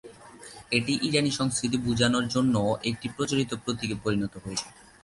এটি ইরানি সংস্কৃতি বোঝানোর জন্যও একটি প্রচলিত প্রতীকে পরিণত হয়েছে।